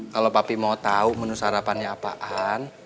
kalo papi mau tau menu sarapannya apaan